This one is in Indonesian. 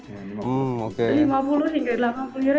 kalau misalnya sampai kita ketangkep karena ngeyel